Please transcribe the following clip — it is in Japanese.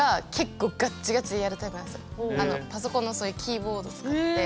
パソコンのそういうキーボード使って。